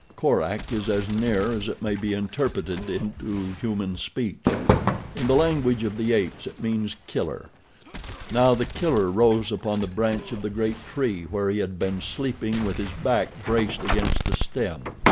Korak is as near as it may be interpreted into human speech. In the language of the apes it means Killer. Now the Killer rose upon the branch of the great tree where he had been sleeping with his back braced against the stem.